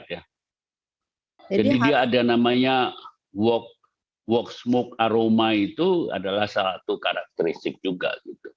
jadi dia ada namanya work smoke aroma itu adalah satu karakteristik juga